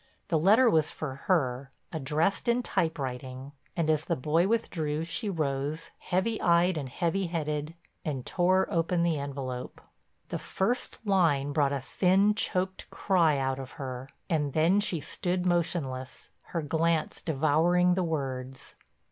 The letter was for her, addressed in typewriting, and as the boy withdrew she rose, heavy eyed and heavy headed, and tore open the envelope. The first line brought a thin, choked cry out of her, and then she stood motionless, her glance devouring the words.